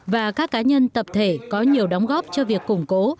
và các cá nhân tập thể có nhiều đóng góp cho việc củng cố